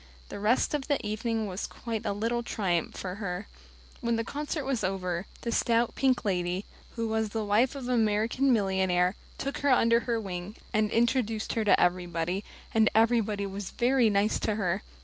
The rest of the evening was quite a little triumph for her. When the concert was over, the stout, pink lady who was the wife of an American millionaire took her under her wing, and introduced her to everybody; and everybody was very nice to her.